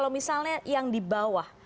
misalnya yang di bawah